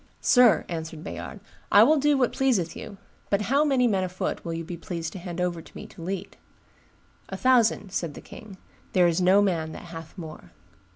"Sir," answered Bayard, "I will do what pleaseth you; but how many men afoot will you be pleased to hand over to me to lead?" "A thousand," said the king: "there is no man that hath more."